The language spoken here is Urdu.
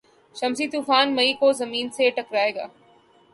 شمسی طوفان مئی کو زمین سے ٹکرائے گا